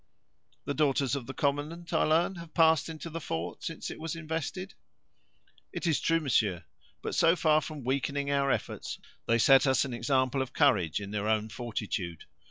The daughters of the commandant, I learn, have passed into the fort since it was invested?" "It is true, monsieur; but, so far from weakening our efforts, they set us an example of courage in their own fortitude.